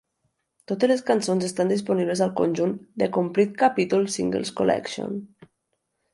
Totes les cançons estan disponibles al conjunt "The Complete Capitol Singles Collection".